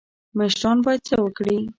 مشران باید څه وکړي؟